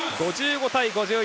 ５５対５４。